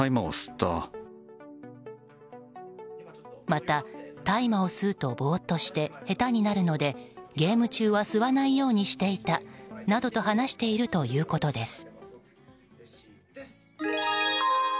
また、大麻を吸うとボーっとして下手になるので、ゲーム中は吸わないようにしていたなどと話しているということです。